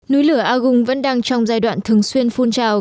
núi lửa aung vẫn đang trong giai đoạn thường xuyên phun trào